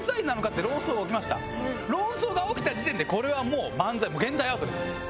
論争が起きた時点でこれはもう漫才現代アートです。